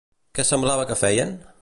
Què semblava que feien?